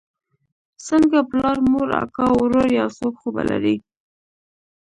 څنگه پلار مور اکا ورور يو څوک خو به لرې.